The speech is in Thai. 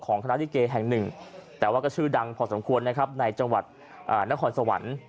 คณะลิเกแห่งหนึ่งแต่ว่าก็ชื่อดังพอสมควรนะครับในจังหวัดนครสวรรค์